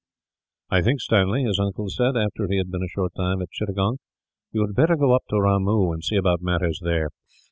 "I think, Stanley," his uncle said, after he had been a short time at Chittagong, "you had better go up to Ramoo, and see about matters there.